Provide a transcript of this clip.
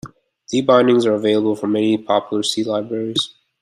D bindings are available for many popular C libraries.